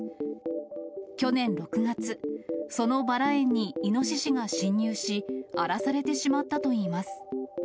去年６月、そのバラ園にイノシシが侵入し、荒らされてしまったといいます。